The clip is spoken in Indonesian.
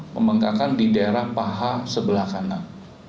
pembengkakan di daerah paha sebelah kanan